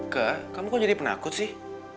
kak kamu kok jadi penakut sih